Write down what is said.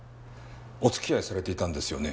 お付き合いされていたんですよね？